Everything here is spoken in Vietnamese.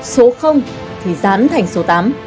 số thì dán thành số tám